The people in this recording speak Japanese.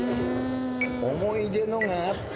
「思い出の」があって。